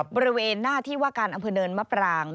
บริเวณหน้าที่ว่าการอำเภอเนินมะปราง